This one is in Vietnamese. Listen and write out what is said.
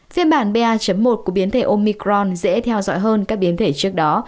phiên bản ba một của biến thể omicron dễ theo dõi hơn các biến thể trước đó